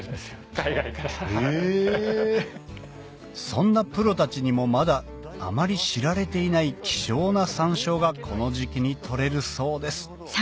そんなプロたちにもまだあまり知られていない希少な山椒がこの時季に採れるそうです